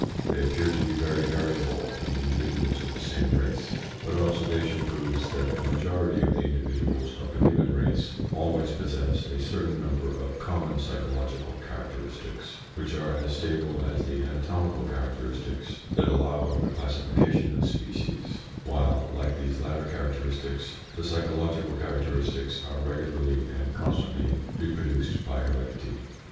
They appear to be very variable in individuals of the same race, but observation proves that the majority of the indi viduals of a given race always possess a certain number of common psychological characteristics, which are as stable as the anatomical characteristics that allow of the classification of species, while, like these latter characteristics, the psychological character istics are regularly and constantly reproduced by heredity.